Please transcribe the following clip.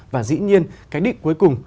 và dĩ nhiên cái định cuối cùng